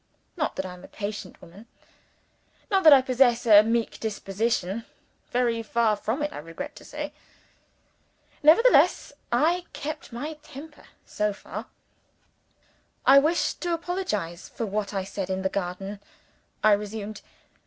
Not that I am a patient woman: not that I possess a meek disposition. Very far from it, I regret to say. Nevertheless, I kept my temper so far. "I wish to apologize for what I said in the garden," I resumed.